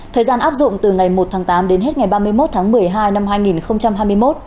thời gian áp dụng từ ngày một tháng tám đến hết ngày ba mươi một tháng một mươi hai năm hai nghìn hai mươi một